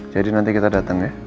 jadi nanti kita datang ya